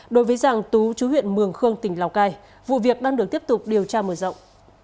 đối với giàng tú chú huyện mường khương tỉnh lào cai vụ việc đang được tiếp tục điều tra mở rộng